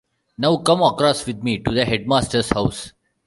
Now come across with me to the headmaster's house.